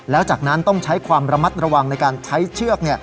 แล้วจากนั้นต้องใช้ความระมัดระวังในการใช้เชือก